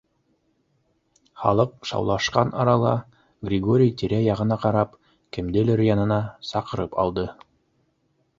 Халыҡ шаулашҡан арала Григорий, тирә-яғына ҡарап, кемделер янына саҡырып алды.